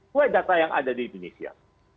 sesuai data yang ada di indonesia